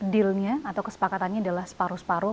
dealnya atau kesepakatannya adalah separuh separuh